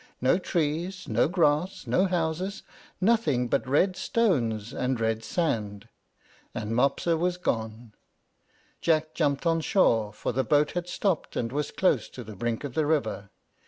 no trees, no grass, no houses, nothing but red stones and red sand, and Mopsa was gone. Jack jumped on shore, for the boat had stopped, and was close to the brink of the river.